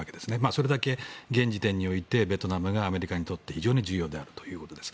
それだけ現時点においてベトナムがアメリカにとって非常に重要だということです。